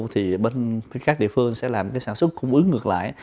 thì các địa phương sẽ làm cái sản xuất cung ứng ngược lại